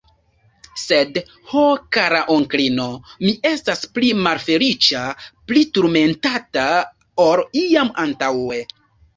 Sed, ho, kara onklino, mi estas pli malfeliĉa, pli turmentata, ol iam antaŭe.